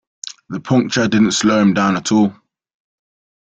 The puncture didn't slow him down at all.